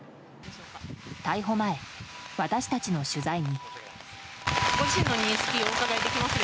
逮捕前、私たちの取材に。